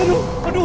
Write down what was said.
eh eh aduh